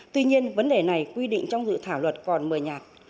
tuy nhiên vấn đề này quy định trong dự thảo luật còn mờ nhạt